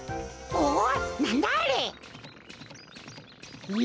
おっ！